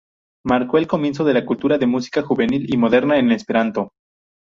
Marcó el comienzo de la cultura de música juvenil y moderna en esperanto.